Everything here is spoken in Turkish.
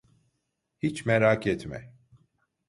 Hiç merak etme.